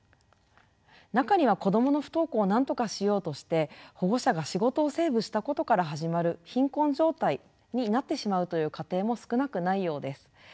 中には子どもの不登校をなんとかしようとして保護者が仕事をセーブしたことから始まる貧困状態になってしまうという家庭も少なくないようです。